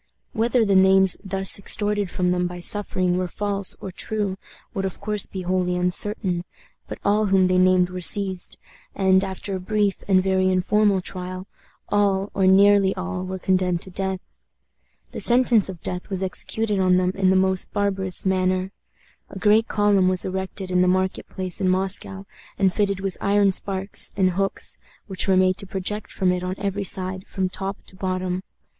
Whether the names thus extorted from them by suffering were false or true would of course be wholly uncertain, but all whom they named were seized, and, after a brief and very informal trial, all, or nearly all, were condemned to death. The sentence of death was executed on them in the most barbarous manner. A great column was erected in the market place in Moscow, and fitted with iron spikes and hooks, which were made to project from it on every side, from top to bottom.